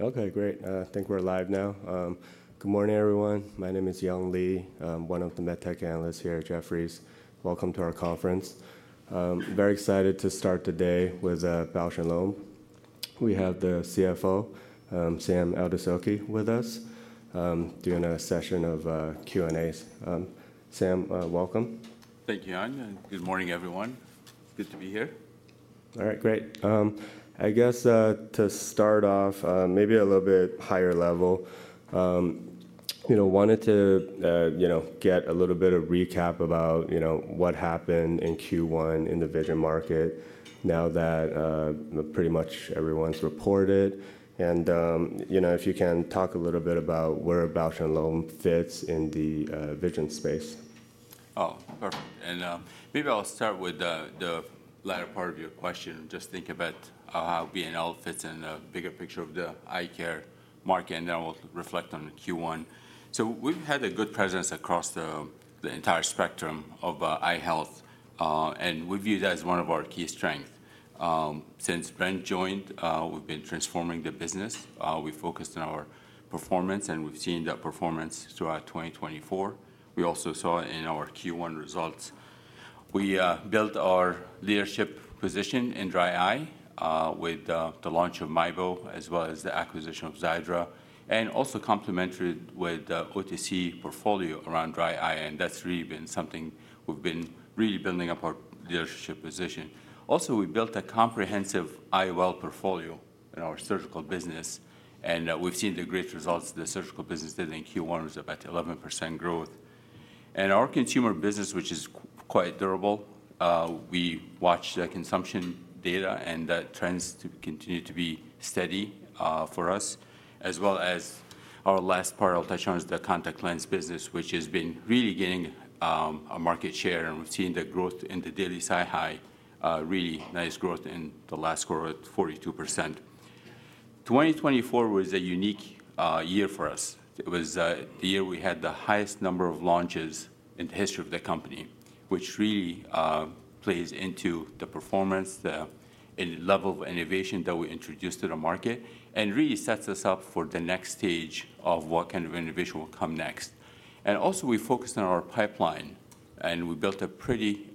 Okay, great. I think we're live now. Good morning, everyone. My name is Yehia Hashad. I'm one of the medtech analysts here at Jefferies. Welcome to our conference. I'm very excited to start the day with Bausch + Lomb. We have the CFO, Sam Eldessouky, with us during a session of Q&As. Sam, welcome. Thank you, Ann. Good morning, everyone. Good to be here. All right, great. I guess to start off, maybe at a little bit higher level, I wanted to get a little bit of a recap about what happened in Q1 in the vision market now that pretty much everyone's reported. If you can talk a little bit about where Bausch + Lomb fits in the vision space. Oh, perfect. Maybe I'll start with the latter part of your question. Just think about how B&L fits in the bigger picture of the eye care market, and then I will reflect on Q1. We've had a good presence across the entire spectrum of eye health, and we view that as one of our key strengths. Since Brent joined, we've been transforming the business. We focused on our performance, and we've seen that performance throughout 2024. We also saw it in our Q1 results. We built our leadership position in dry eye with the launch of Mibo, as well as the acquisition of Xiidra, and also complemented with the OTC portfolio around dry eye. That's really been something we've been really building up our leadership position. Also, we built a comprehensive eyewear portfolio in our surgical business, and we have seen the great results the surgical business did in Q1, which was about 11% growth. Our consumer business, which is quite durable, we watch the consumption data and the trends to continue to be steady for us. As well as our last part I will touch on is the contact lens business, which has been really gaining market share, and we have seen the growth in the daily SiHy, really nice growth in the last quarter at 42%. 2024 was a unique year for us. It was the year we had the highest number of launches in the history of the company, which really plays into the performance and level of innovation that we introduced to the market and really sets us up for the next stage of what kind of innovation will come next. We focused on our pipeline, and we built a pretty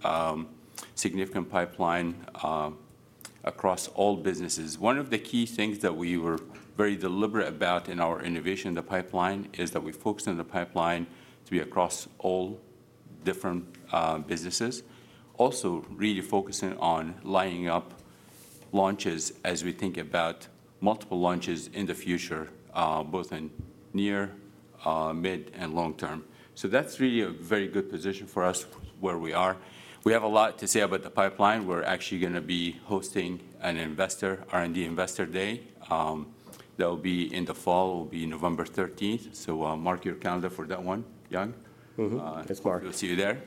significant pipeline across all businesses. One of the key things that we were very deliberate about in our innovation of the pipeline is that we focused on the pipeline to be across all different businesses. Also, really focusing on lining up launches as we think about multiple launches in the future, both in near, mid, and long term. That is really a very good position for us where we are. We have a lot to say about the pipeline. We are actually going to be hosting an R&D investor day that will be in the fall, will be November 13th. Mark your calendar for that one, Young. Thanks, Mark, We'll see you there.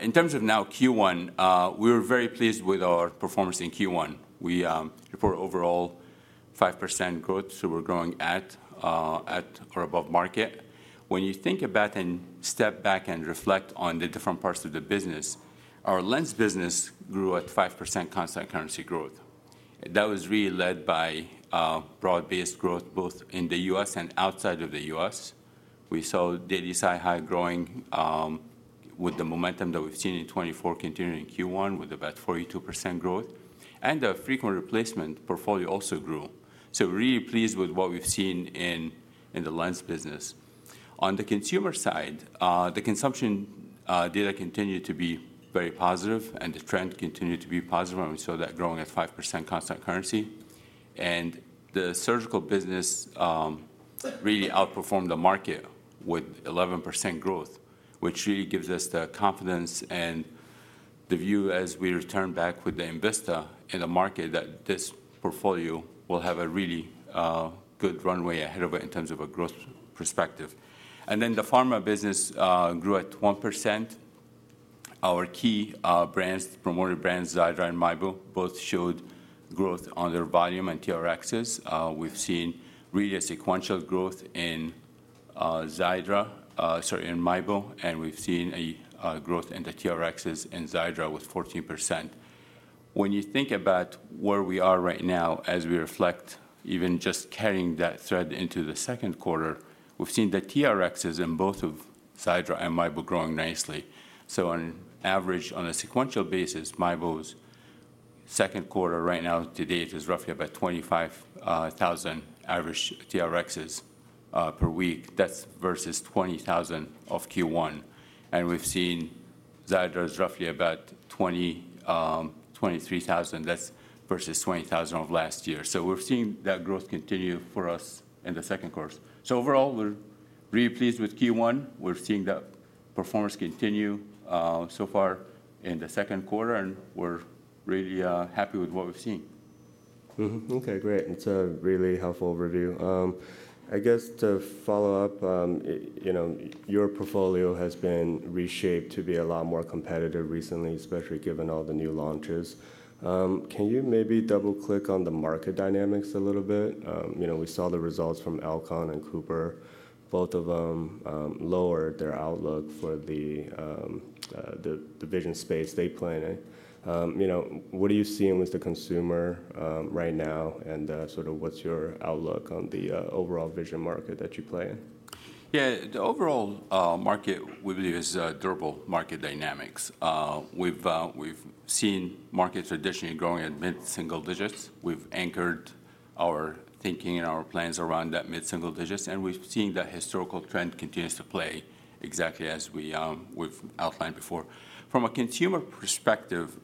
In terms of now Q1, we were very pleased with our performance in Q1. We report overall 5% growth, so we're growing at or above market. When you think about and step back and reflect on the different parts of the business, our lens business grew at 5% constant currency growth. That was really led by broad-based growth both in the U.S. and outside of the U.S. We saw daily SiHy growing with the momentum that we've seen in 2024 continuing in Q1 with about 42% growth. The frequent replacement portfolio also grew. We're really pleased with what we've seen in the lens business. On the consumer side, the consumption data continued to be very positive, and the trend continued to be positive. We saw that growing at 5% constant currency. The surgical business really outperformed the market with 11% growth, which really gives us the confidence and the view as we return back with the INVISTA in the market that this portfolio will have a really good runway ahead of it in terms of a growth perspective. The pharma business grew at 1%. Our key brands, promoted brands, Xiidra and Mibo, both showed growth on their volume and TRXs. We've seen really a sequential growth in Xiidra, sorry, in Mibo, and we've seen a growth in the TRXs in Xiidra with 14%. When you think about where we are right now as we reflect, even just carrying that thread into the second quarter, we've seen the TRXs in both of Xiidra and Mibo growing nicely. On average, on a sequential basis, Mibo's second quarter right now to date is roughly about 25,000 average TRXs per week. That's versus 20,000 of Q1. We've seen Xiidra's roughly about 23,000. That's versus 20,000 of last year. We've seen that growth continue for us in the second quarter. Overall, we're really pleased with Q1. We're seeing that performance continue so far in the second quarter, and we're really happy with what we've seen. Okay, great. That's a really helpful overview. I guess to follow up, your portfolio has been reshaped to be a lot more competitive recently, especially given all the new launches. Can you maybe double-click on the market dynamics a little bit? We saw the results from Alcon and Cooper. Both of them lowered their outlook for the vision space they play in. What are you seeing with the consumer right now, and sort of what's your outlook on the overall vision market that you play in? Yeah, the overall market, we believe, is a durable market dynamics. We've seen markets traditionally growing at mid-single digits. We've anchored our thinking and our plans around that mid-single digits, and we've seen that historical trend continues to play exactly as we've outlined before. From a consumer perspective,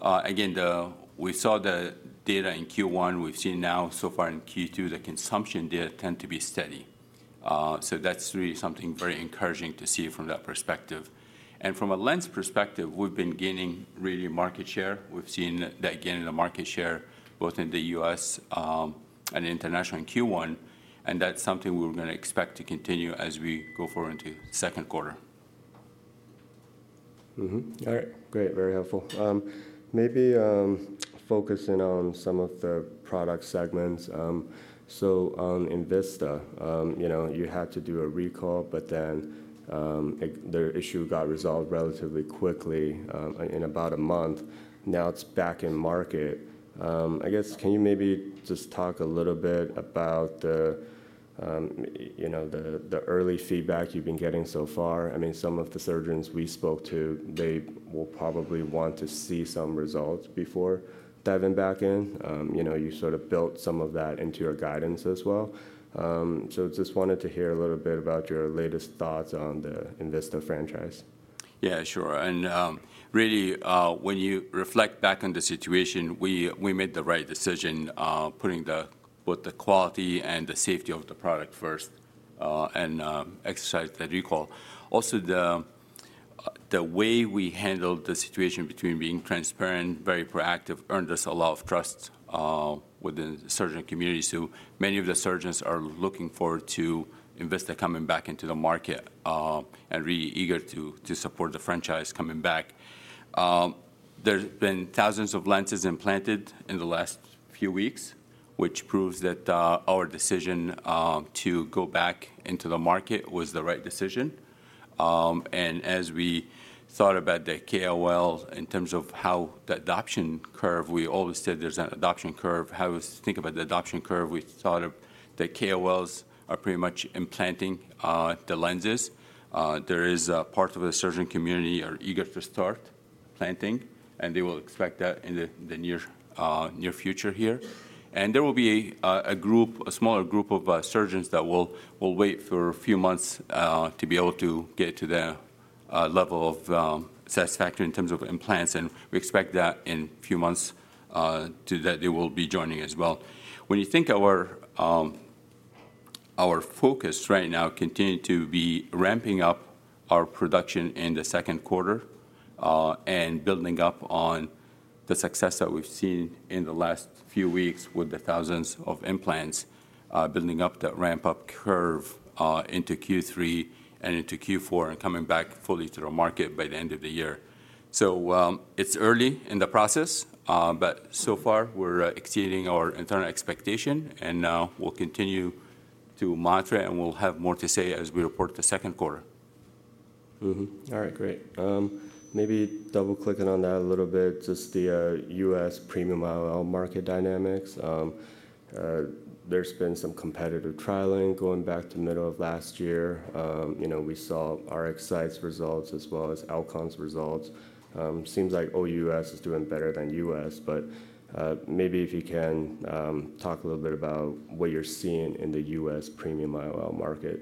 again, we saw the data in Q1. We've seen now so far in Q2 the consumption data tend to be steady. That's really something very encouraging to see from that perspective. From a lens perspective, we've been gaining really market share. We've seen that gain in the market share both in the U.S. and international in Q1, and that's something we're going to expect to continue as we go forward into the second quarter. All right, great. Very helpful. Maybe focusing on some of the product segments. So INVISTA, you had to do a recall, but then their issue got resolved relatively quickly in about a month. Now it's back in market. I guess can you maybe just talk a little bit about the early feedback you've been getting so far? I mean, some of the surgeons we spoke to, they will probably want to see some results before diving back in. You sort of built some of that into your guidance as well. Just wanted to hear a little bit about your latest thoughts on the INVISTA franchise. Yeah, sure. Really, when you reflect back on the situation, we made the right decision, putting both the quality and the safety of the product first and exercised that recall. Also, the way we handled the situation between being transparent, very proactive, earned us a lot of trust within the surgeon community. Many of the surgeons are looking forward to INVISTA coming back into the market and really eager to support the franchise coming back. There have been thousands of lenses implanted in the last few weeks, which proves that our decision to go back into the market was the right decision. As we thought about the KOL in terms of how the adoption curve, we always said there is an adoption curve. How we think about the adoption curve, we thought that KOLs are pretty much implanting the lenses. There is a part of the surgeon community that are eager to start implanting, and they will expect that in the near future here. There will be a group, a smaller group of surgeons that will wait for a few months to be able to get to the level of satisfactory in terms of implants. We expect that in a few months that they will be joining as well. When you think our focus right now continues to be ramping up our production in the second quarter and building up on the success that we've seen in the last few weeks with the thousands of implants, building up that ramp-up curve into Q3 and into Q4 and coming back fully to the market by the end of the year. It's early in the process, but so far we're exceeding our internal expectation, and we'll continue to monitor, and we'll have more to say as we report the second quarter. All right, great. Maybe double-clicking on that a little bit, just the U.S. premium IOL market dynamics. There's been some competitive trialing going back to the middle of last year. We saw RxSight's results as well as Alcon's results. Seems like OUS is doing better than U.S., but maybe if you can talk a little bit about what you're seeing in the U.S. premium IOL market.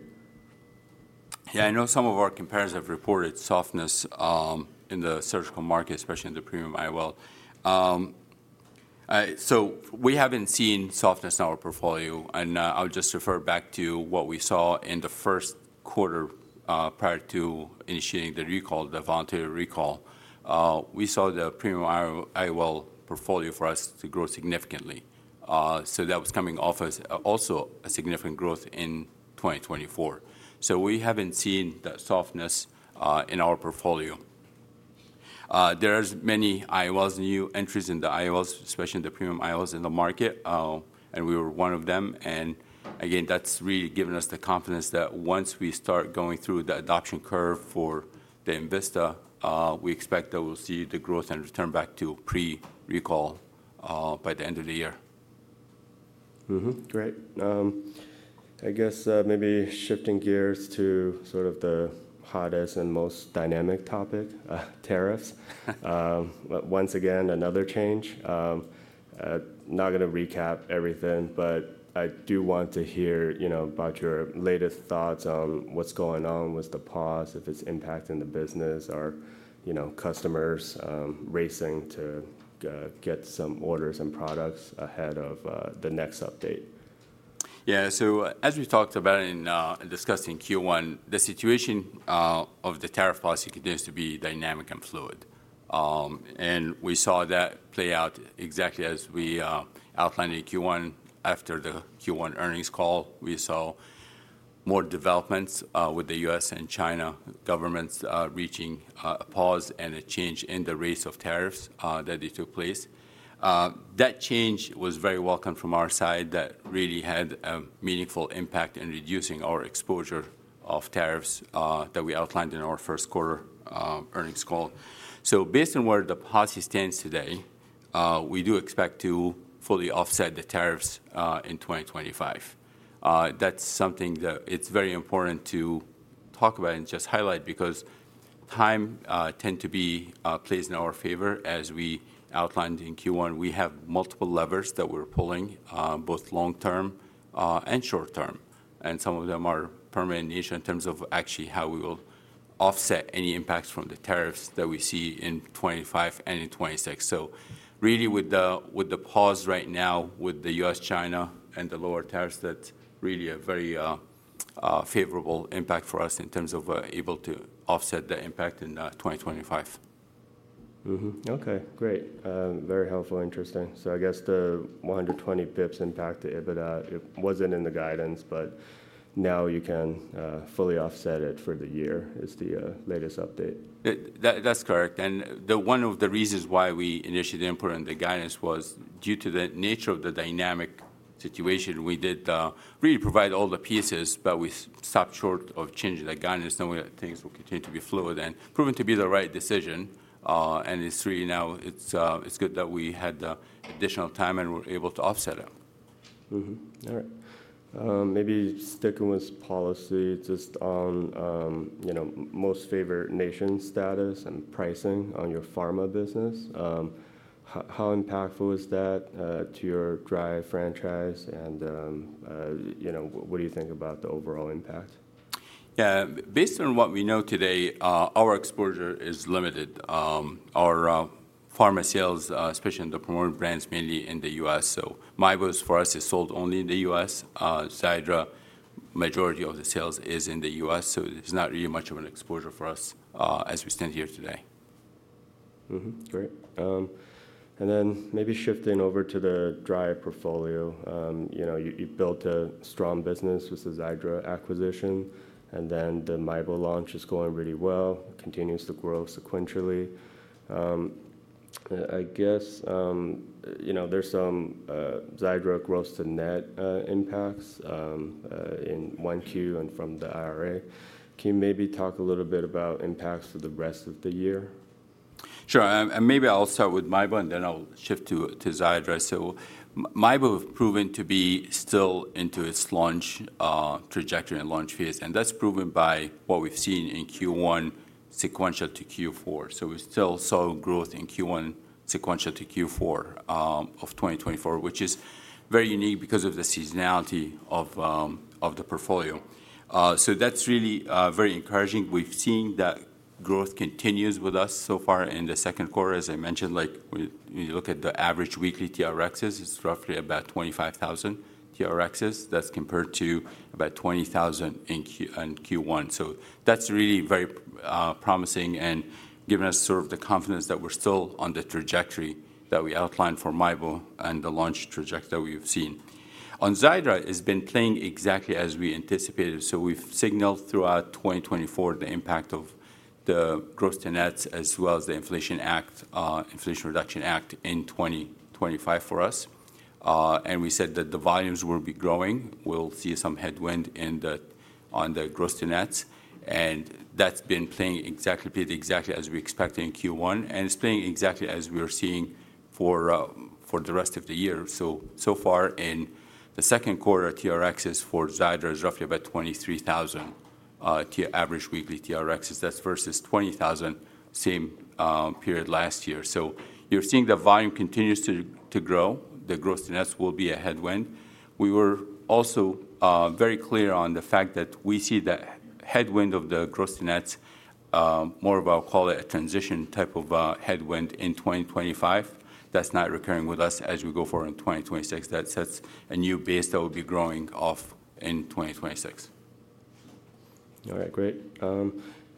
Yeah, I know some of our competitors have reported softness in the surgical market, especially in the premium IOL. We haven't seen softness in our portfolio, and I'll just refer back to what we saw in the first quarter prior to initiating the recall, the voluntary recall. We saw the premium IOL portfolio for us grow significantly. That was coming off as also a significant growth in 2024. We haven't seen that softness in our portfolio. There are many IOLs, new entries in the IOLs, especially in the premium IOLs in the market, and we were one of them. Again, that's really given us the confidence that once we start going through the adoption curve for the INVISTA, we expect that we'll see the growth and return back to pre-recall by the end of the year. Great. I guess maybe shifting gears to sort of the hottest and most dynamic topic, tariffs. Once again, another change. Not going to recap everything, but I do want to hear about your latest thoughts on what's going on with the pause, if it's impacting the business or customers racing to get some orders and products ahead of the next update. Yeah, as we talked about and discussed in Q1, the situation of the tariff policy continues to be dynamic and fluid. We saw that play out exactly as we outlined in Q1. After the Q1 earnings call, we saw more developments with the U.S. and China governments reaching a pause and a change in the raise of tariffs that took place. That change was very welcome from our side. That really had a meaningful impact in reducing our exposure of tariffs that we outlined in our first quarter earnings call. Based on where the policy stands today, we do expect to fully offset the tariffs in 2025. That is something that is very important to talk about and just highlight because time tends to be placed in our favor as we outlined in Q1. We have multiple levers that we're pulling, both long term and short term, and some of them are permanent in nature in terms of actually how we will offset any impacts from the tariffs that we see in 2025 and in 2026. Really with the pause right now with the U.S., China, and the lower tariffs, that's really a very favorable impact for us in terms of able to offset the impact in 2025. Okay, great. Very helpful, interesting. I guess the 120 basis points impact to EBITDA, it wasn't in the guidance, but now you can fully offset it for the year is the latest update. That's correct. One of the reasons why we initiated the input on the guidance was due to the nature of the dynamic situation. We did really provide all the pieces, but we stopped short of changing the guidance. We think it will continue to be fluid and proven to be the right decision. It's really now it's good that we had the additional time and were able to offset it. All right. Maybe sticking with policy, just on most favored nation status and pricing on your pharma business. How impactful is that to your dry eye franchise? And what do you think about the overall impact? Yeah, based on what we know today, our exposure is limited. Our pharma sales, especially in the promoted brands, mainly in the U.S., Mibo's for us is sold only in the U.S., Xiidra, majority of the sales is in the U.S., There's not really much of an exposure for us as we stand here today. Great. Maybe shifting over to the dry portfolio. You built a strong business with the Xiidra acquisition, and then the Mibo launch is going really well, continues to grow sequentially. I guess there's some Xiidra growth to net impacts in one Q and from the IRA. Can you maybe talk a little bit about impacts for the rest of the year? Sure. Maybe I'll start with Mibo and then I'll shift to Xiidra. Mibo has proven to be still into its launch trajectory and launch phase, and that's proven by what we've seen in Q1 sequential to Q4. We still saw growth in Q1 sequential to Q4 of 2024, which is very unique because of the seasonality of the portfolio. That's really very encouraging. We've seen that growth continues with us so far in the second quarter. As I mentioned, when you look at the average weekly TRXs, it's roughly about 25,000 TRXs. That's compared to about 20,000 in Q1. That's really very promising and giving us sort of the confidence that we're still on the trajectory that we outlined for Mibo and the launch trajectory that we've seen. On Xiidra, it's been playing exactly as we anticipated. We have signaled throughout 2024 the impact of the gross to nets as well as the Inflation Reduction Act in 2025 for us. We said that the volumes will be growing. We will see some headwind on the gross to nets. That has been playing exactly as we expected in Q1, and it is playing exactly as we are seeing for the rest of the year. So far in the second quarter, TRXs for Xiidra is roughly about 23,000 average weekly TRXs. That is versus 20,000 same period last year. You are seeing the volume continues to grow. The gross to nets will be a headwind. We were also very clear on the fact that we see the headwind of the gross to nets more of, I will call it, a transition type of headwind in 2025. That is not recurring with us as we go forward in 2026. That sets a new base that will be growing off in 2026. All right, great.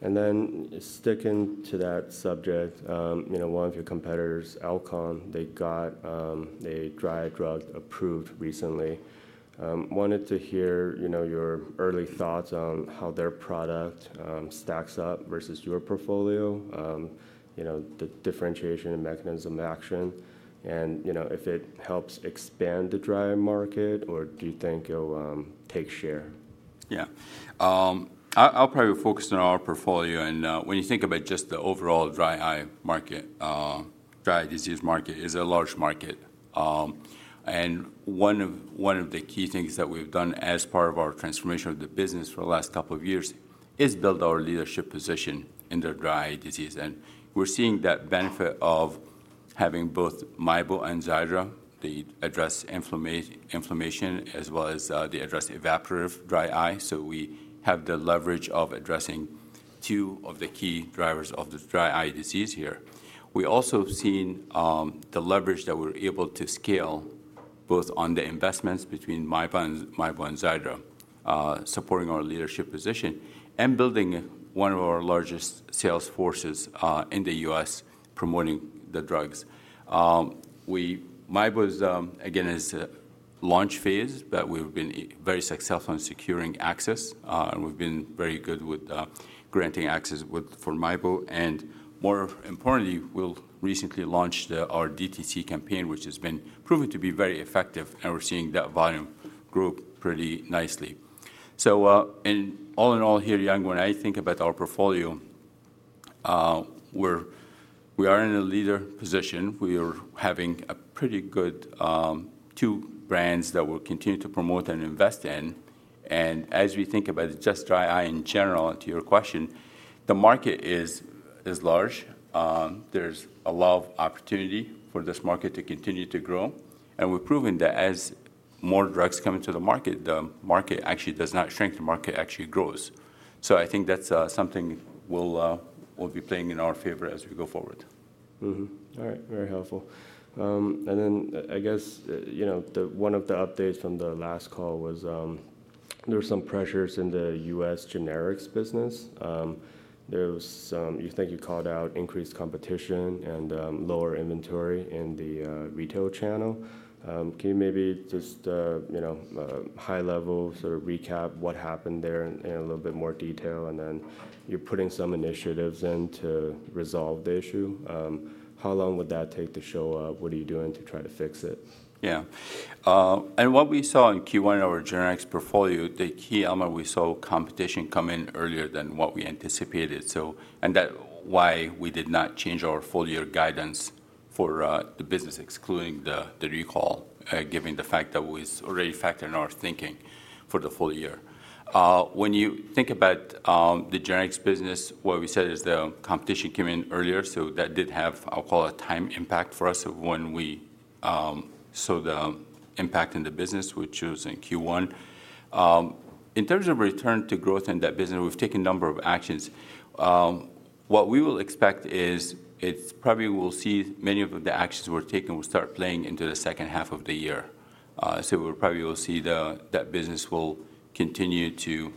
Then sticking to that subject, one of your competitors, Alcon, they got a dry drug approved recently. Wanted to hear your early thoughts on how their product stacks up versus your portfolio, the differentiation and mechanism of action, and if it helps expand the dry market or do you think it'll take share? Yeah, I'll probably focus on our portfolio. When you think about just the overall dry eye market, dry eye disease market is a large market. One of the key things that we've done as part of our transformation of the business for the last couple of years is build our leadership position in the dry eye disease. We're seeing that benefit of having both Mibo and Xiidra. They address inflammation as well as they address evaporative dry eye. We have the leverage of addressing two of the key drivers of the dry eye disease here. We also have seen the leverage that we're able to scale both on the investments between Mibo and Xiidra, supporting our leadership position and building one of our largest sales forces in the US promoting the drugs. Mibo is, again, in its launch phase, but we've been very successful in securing access, and we've been very good with granting access for Mibo. More importantly, we've recently launched our DTC campaign, which has been proven to be very effective, and we're seeing that volume grow pretty nicely. All in all here, Yang Wen, I think about our portfolio. We are in a leader position. We are having a pretty good two brands that we'll continue to promote and invest in. As we think about just dry eye in general, to your question, the market is large. There's a lot of opportunity for this market to continue to grow. We've proven that as more drugs come into the market, the market actually does not shrink. The market actually grows. I think that's something we'll be playing in our favor as we go forward. All right, very helpful. I guess one of the updates from the last call was there were some pressures in the U.S. generics business. You think you called out increased competition and lower inventory in the retail channel. Can you maybe just high-level sort of recap what happened there in a little bit more detail? You are putting some initiatives in to resolve the issue. How long would that take to show up? What are you doing to try to fix it? Yeah. What we saw in Q1 in our generics portfolio, the key element we saw was competition come in earlier than what we anticipated, and that is why we did not change our full year guidance for the business, excluding the recall, given the fact that we already factored in our thinking for the full year. When you think about the generics business, what we said is the competition came in earlier. That did have, I'll call it, a time impact for us when we saw the impact in the business, which was in Q1. In terms of return to growth in that business, we've taken a number of actions. What we will expect is it's probably we'll see many of the actions we're taking will start playing into the second half of the year. We'll probably see that business will continue to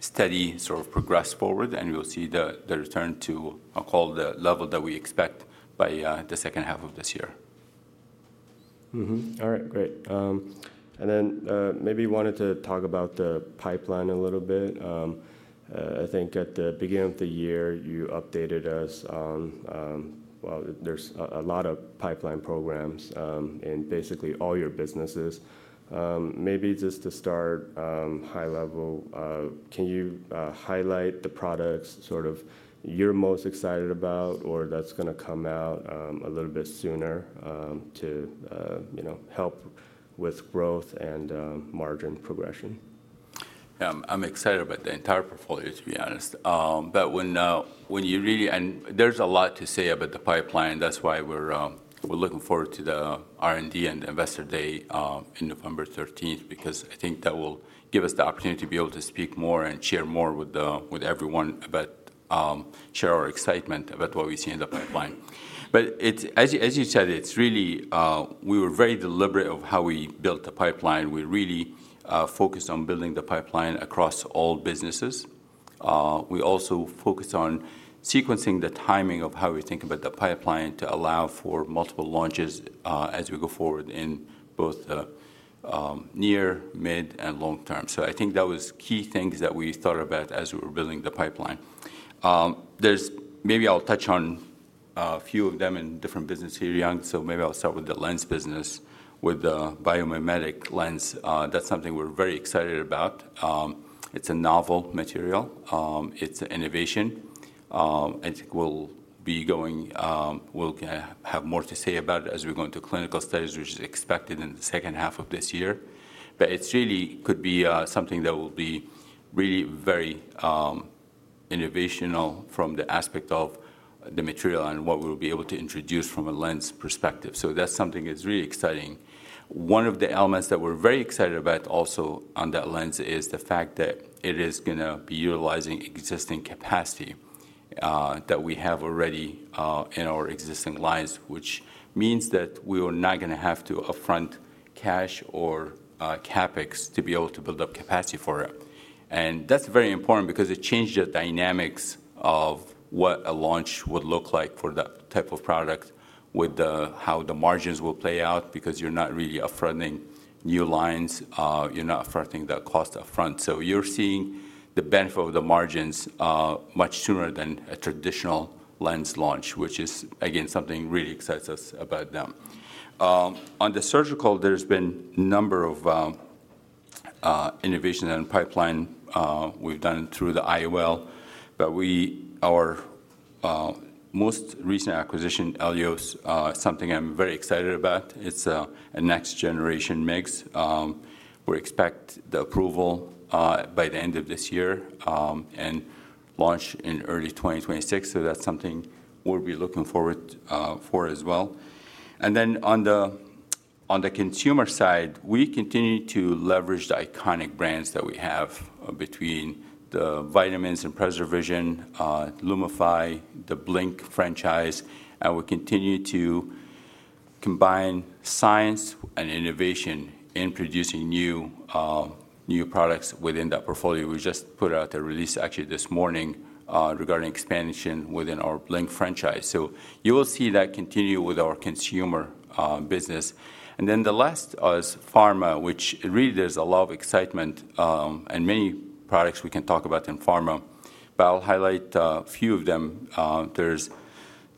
steadily sort of progress forward, and we'll see the return to, I'll call it, the level that we expect by the second half of this year. All right, great. Maybe you wanted to talk about the pipeline a little bit. I think at the beginning of the year, you updated us on, well, there's a lot of pipeline programs in basically all your businesses. Maybe just to start high level, can you highlight the products sort of you're most excited about or that's going to come out a little bit sooner to help with growth and margin progression? I'm excited about the entire portfolio, to be honest. When you really, and there's a lot to say about the pipeline. That's why we're looking forward to the R&D and the investor day on November 13th, because I think that will give us the opportunity to be able to speak more and share more with everyone about, share our excitement about what we see in the pipeline. As you said, it's really, we were very deliberate of how we built the pipeline. We really focused on building the pipeline across all businesses. We also focused on sequencing the timing of how we think about the pipeline to allow for multiple launches as we go forward in both the near, mid, and long term. I think that was key things that we thought about as we were building the pipeline. Maybe I'll touch on a few of them in different business here, Yang. Maybe I'll start with the lens business with the biomimetic lens. That's something we're very excited about. It's a novel material. It's an innovation. I think we'll be going, we'll have more to say about it as we go into clinical studies, which is expected in the second half of this year. It really could be something that will be really very innovational from the aspect of the material and what we'll be able to introduce from a lens perspective. That's something that's really exciting. One of the elements that we're very excited about also on that lens is the fact that it is going to be utilizing existing capacity that we have already in our existing lines, which means that we are not going to have to upfront cash or CapEx to be able to build up capacity for it. That is very important because it changed the dynamics of what a launch would look like for that type of product with how the margins will play out because you're not really upfronting new lines. You're not upfronting that cost upfront. You are seeing the benefit of the margins much sooner than a traditional lens launch, which is, again, something that really excites us about them. On the surgical, there's been a number of innovations and pipeline we've done through the IOL. Our most recent acquisition, ELDEOS, is something I'm very excited about. It's a next-generation mix. We expect the approval by the end of this year and launch in early 2026. That's something we'll be looking forward for as well. On the consumer side, we continue to leverage the iconic brands that we have between the vitamins and PreserVision, Lumify, the Blink franchise. We continue to combine science and innovation in producing new products within that portfolio. We just put out a release actually this morning regarding expansion within our Blink franchise. You will see that continue with our consumer business. The last is pharma, which really there's a lot of excitement and many products we can talk about in pharma. I'll highlight a few of them. There's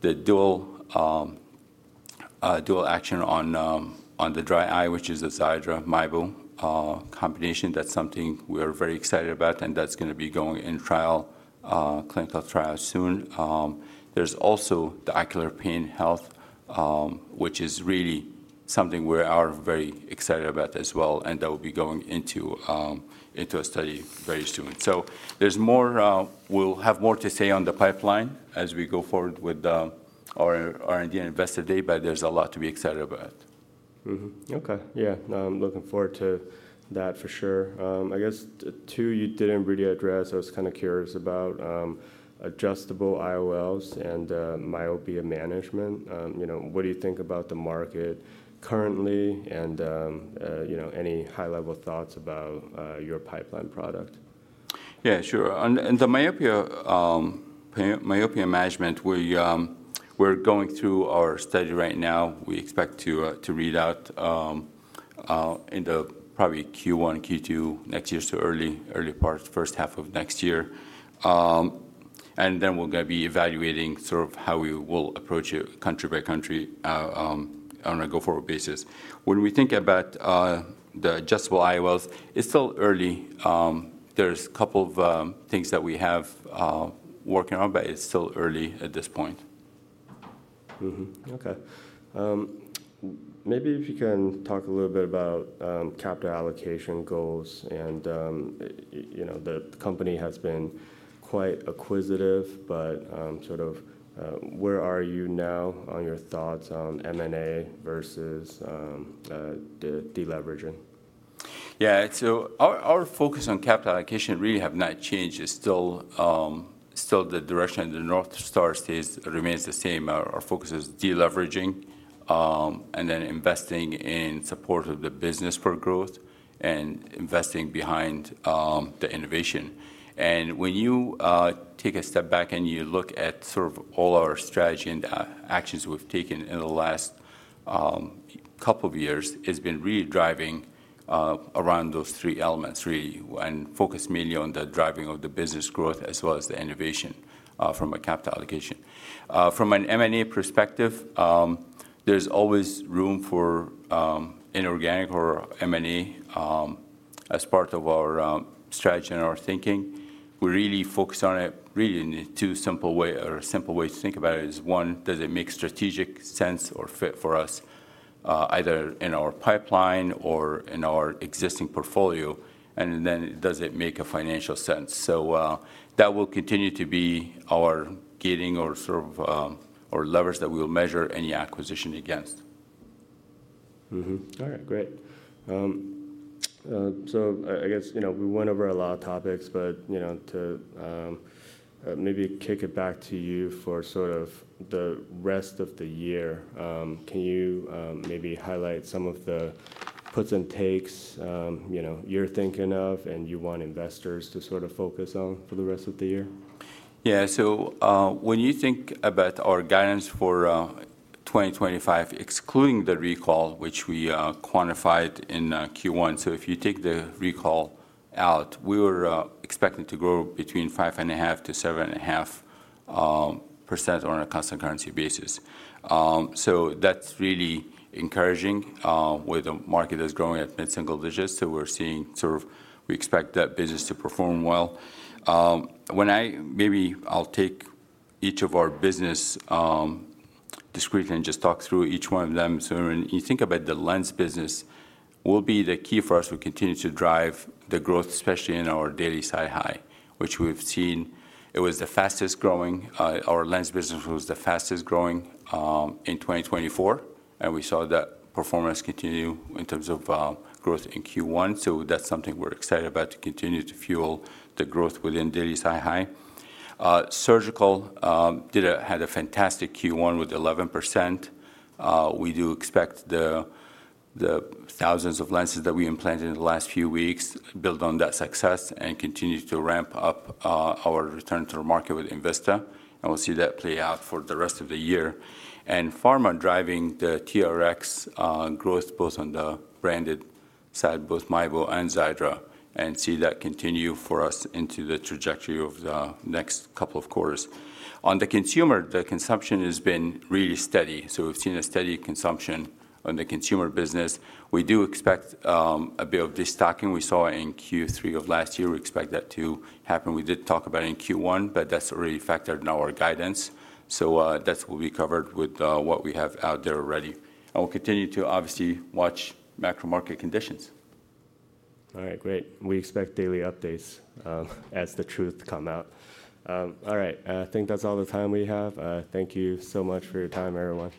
the dual action on the dry eye, which is a Xiidra-Mibo combination. That's something we are very excited about, and that's going to be going in trial, clinical trial soon. There's also the ocular pain health, which is really something we are very excited about as well, and that will be going into a study very soon. We will have more to say on the pipeline as we go forward with our R&D and investor day, but there's a lot to be excited about. Okay. Yeah, I'm looking forward to that for sure. I guess two you didn't really address. I was kind of curious about adjustable IOLs and myopia management. What do you think about the market currently and any high-level thoughts about your pipeline product? Yeah, sure. On the myopia management, we're going through our study right now. We expect to read out in the probably Q1, Q2 next year's early part, first half of next year. We are going to be evaluating sort of how we will approach it country by country on a go-forward basis. When we think about the adjustable IOLs, it's still early. There's a couple of things that we have working on, but it's still early at this point. Okay. Maybe if you can talk a little bit about capital allocation goals. The company has been quite acquisitive, but sort of where are you now on your thoughts on M&A versus deleveraging? Yeah. Our focus on capital allocation really has not changed. It is still the direction. The North Star remains the same. Our focus is deleveraging and then investing in support of the business for growth and investing behind the innovation. When you take a step back and you look at sort of all our strategy and the actions we have taken in the last couple of years, it has been really driving around those three elements and focus mainly on the driving of the business growth as well as the innovation from a capital allocation. From an M&A perspective, there is always room for inorganic or M&A as part of our strategy and our thinking. We really focus on it in two simple ways. A simple way to think about it is, one, does it make strategic sense or fit for us either in our pipeline or in our existing portfolio? Then does it make financial sense? That will continue to be our gating or sort of levers that we will measure any acquisition against. All right, great. I guess we went over a lot of topics, but to maybe kick it back to you for sort of the rest of the year, can you maybe highlight some of the puts and takes you're thinking of and you want investors to sort of focus on for the rest of the year? Yeah. So when you think about our guidance for 2025, excluding the recall, which we quantified in Q1, if you take the recall out, we were expecting to grow between 5.5%-7.5% on a constant currency basis. That is really encouraging with the market that is growing at mid-single digits. We are seeing sort of we expect that business to perform well. Maybe I will take each of our business discretely and just talk through each one of them. When you think about the lens business, will be the key for us to continue to drive the growth, especially in our daily SiHy, which we have seen was the fastest growing. Our lens business was the fastest growing in 2024, and we saw that performance continue in terms of growth in Q1. That is something we are excited about to continue to fuel the growth within daily SiHy. Surgical had a fantastic Q1 with 11%. We do expect the thousands of lenses that we implanted in the last few weeks build on that success and continue to ramp up our return to the market with INVISTA. We will see that play out for the rest of the year. Pharma driving the TRX growth both on the branded side, both Mibo and Xiidra, and see that continue for us into the trajectory of the next couple of quarters. On the consumer, the consumption has been really steady. We have seen a steady consumption on the consumer business. We do expect a bit of the stocking we saw in Q3 of last year. We expect that to happen. We did talk about it in Q1, but that is already factored in our guidance. That is what we covered with what we have out there already. We will continue to obviously watch macro market conditions. All right, great. We expect daily updates as the truth come out. All right. I think that's all the time we have. Thank you so much for your time, everyone.